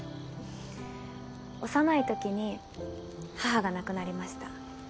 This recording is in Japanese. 幼い時に母が亡くなりました。